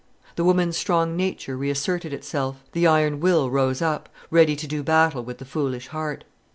The woman's strong nature reasserted itself; the iron will rose up, ready to do battle with the foolish heart.